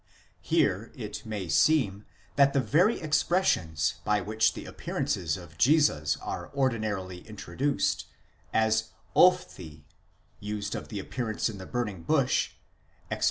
Here it may seem that the very expressions by which the appearances of Jesus are ordinarily introduced, as ὥφθη, used of the appearance in the burning bush (Exod.